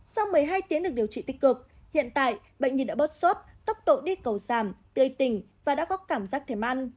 sau một mươi hai tiếng được điều trị tích cực hiện tại bệnh nhi đã bớt xuất tốc độ đi cầu giảm tươi tỉnh và đã có cảm giác thể măn